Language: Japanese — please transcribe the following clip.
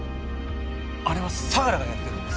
あれは相良がやってるんです。